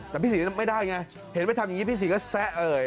แต่พี่ศรีไม่ได้ไงเห็นไปทำอย่างนี้พี่ศรีก็แซะเอ่ย